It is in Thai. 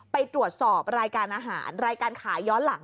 ไปตรวจสอบรายการอาหารรายการขายย้อนหลัง